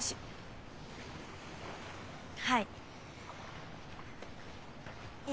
はい。